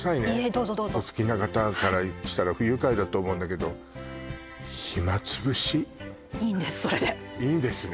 どうぞどうぞお好きな方からしたら不愉快だと思うんだけどいいんですそれでいいんですね？